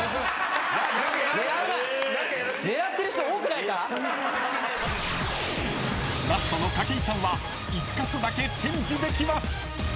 ［ラストの筧さんは１カ所だけチェンジできます］